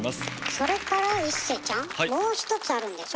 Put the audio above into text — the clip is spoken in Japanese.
それから一生ちゃんもう一つあるんでしょ？